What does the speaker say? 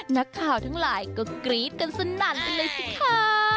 นักข่าวทั้งหลายก็กรี๊ดกันสนั่นไปเลยสิคะ